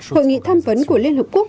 hội nghị tham vấn của liên hợp quốc